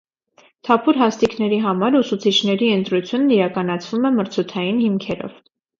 Թափուր հաստիքների համար ուսուցիչների ընտրությունն իրականացվում է մրցույթային հիմքերով։